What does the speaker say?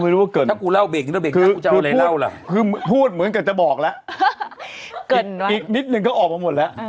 ขึ้นคือพูดเหมือนกันจะบอกแล้วอีกนิดนึงก็ออกมาหมดแล้ว